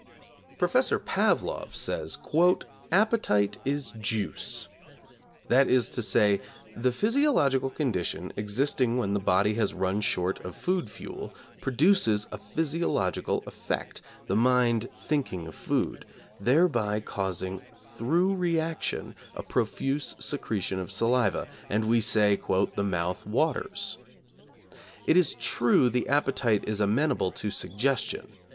Professor Pavlov says: 'Appetite is juice'; that is to say, the physiological condition existing when the body has run short of food fuel, produces a psychological effect, the mind thinking of food, thereby causing through reaction a profuse secretion of saliva, and we say 'the mouth waters.' It is true the appetite is amenable to suggestion.